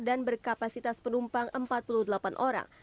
dan berkapasitas penumpang empat puluh delapan orang